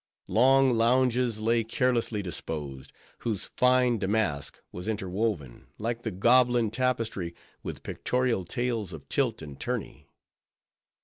Long lounges lay carelessly disposed, whose fine damask was interwoven, like the Gobelin tapestry, with pictorial tales of tilt and tourney.